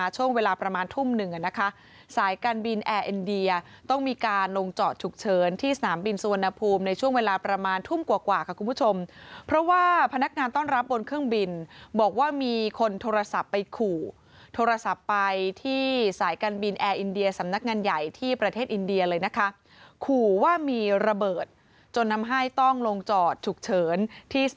ช่วงเวลาประมาณทุ่มหนึ่งนะคะสายการบินแอร์เอ็นเดียต้องมีการลงจอดฉุกเฉินที่สนามบินสุวรรณภูมิในช่วงเวลาประมาณทุ่มกว่ากว่าค่ะคุณผู้ชมเพราะว่าพนักงานต้อนรับบนเครื่องบินบอกว่ามีคนโทรศัพท์ไปขู่โทรศัพท์ไปที่สายการบินแอร์อินเดียสำนักงานใหญ่ที่ประเทศอินเดียเลยนะคะขู่ว่ามีระเบิดจนทำให้ต้องลงจอดฉุกเฉินที่ส